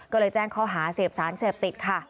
ก็เลยแจ้งข้อหาเสพสารเสพติดค่ะ